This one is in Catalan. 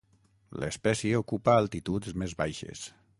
L'espècie ocupa altituds més baixes.